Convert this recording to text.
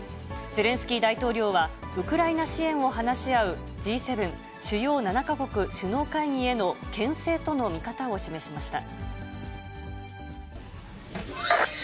ゼレンスキー大統領は、ウクライナ支援を話し合うＧ７・主要７か国首脳会議へのけん制との見方を示しました。